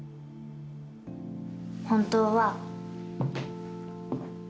本当は。